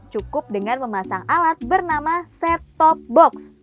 cukup dengan memasang alat bernama set top box